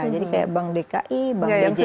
jadi kayak bank dki bank bjb